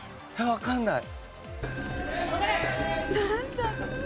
わかんない。